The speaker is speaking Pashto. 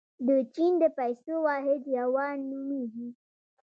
د چین د پیسو واحد یوان نومیږي.